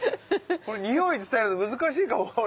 これにおい伝えるの難しいかも。